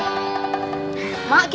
sampai jumpa starcha